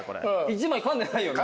一枚かんでないよね？